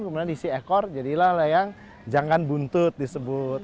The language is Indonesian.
kemudian diisi ekor jadilah layang jangan buntut disebut